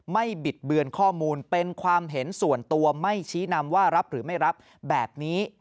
บิดเบือนข้อมูลเป็นความเห็นส่วนตัวไม่ชี้นำว่ารับหรือไม่รับแบบนี้